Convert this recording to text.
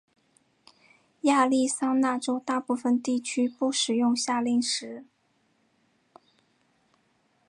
亚利桑那州大部分地区不使用夏令时。